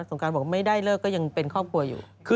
งการบอกไม่ได้เลิกก็ยังเป็นครอบครัวอยู่